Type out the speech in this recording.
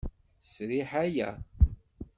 Sriḥ aya.